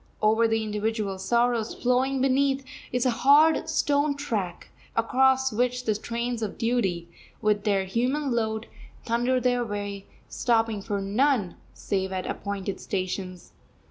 Over the individual sorrows, flowing beneath, is a hard stone track, across which the trains of duty, with their human load, thunder their way, stopping for none save at appointed stations.